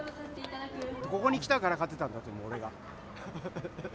ここに来たから勝てたんだと思う、俺が。